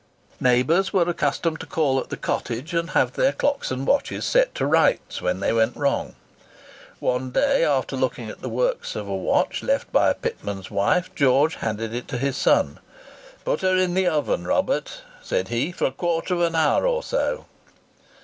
Neighbours were accustomed to call at the cottage and have their clocks and watches set to rights when they went wrong. One day, after looking at the works of a watch left by a pitman's wife, George handed it to his son; "Put her in the oven, Robert," said he, "for a quarter of an hour or so."